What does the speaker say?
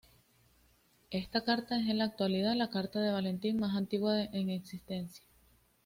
Esta carta es en la actualidad, la carta de Valentín más antigua en existencia.